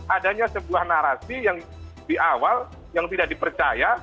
adanya sebuah narasi yang di awal yang tidak dipercaya